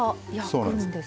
そうなんです。